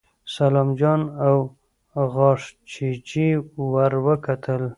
سلام جان په غاښچيچي ور وکتل.